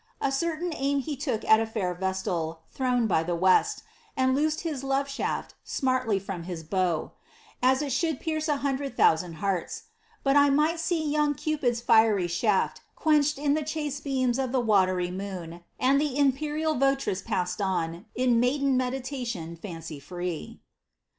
A cerUiin aim be took At a fair vestal, throned by the west, And loosed his love shafl smartly from his bow, As it should pierce a hundred thousand hearts: But I might see young Cupid's fiery shaft Quenched in the chaste beams of the watery moon, And the imperial votress passed on, In maiden meditation, Amcy free.'